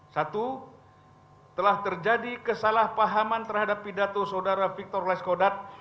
satu telah terjadi kesalahpahaman terhadap pidato saudara victor laskodat